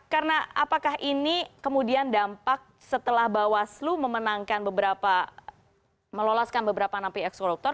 karena apakah ini kemudian dampak setelah bawaslu memenangkan beberapa meloloskan beberapa napi ex koruptor